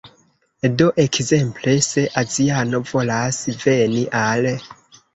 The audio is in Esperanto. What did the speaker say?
Do ekzemple, se aziano volas veni al